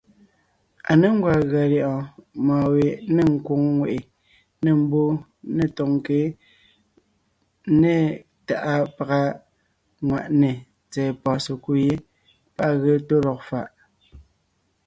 À ně gwàa gʉa lyɛ̌ʼɔɔn mɔ̌ɔn we nêŋ nkwòŋ ŋweʼe, nê mbwóon, nê tɔ̌ɔnkě né tàʼa pàga ŋwàʼne tsɛ̀ɛ pɔ̀ɔn sekúd yé páʼ à ge tó lɔg faʼ.